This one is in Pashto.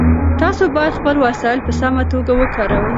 تاسو باید خپل وسایل په سمه توګه وکاروئ.